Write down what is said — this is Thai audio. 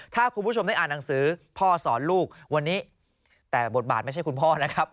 ถ้าคุณผู้ชมได้อ่านหนังสือพ่อสอนลูกวันนี้แต่บทบาทไม่ใช่คุณพ่อนะครับ